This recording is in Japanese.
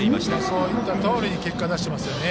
そういったとおりに結果出してますよね。